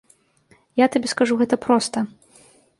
Я табе скажу гэта проста.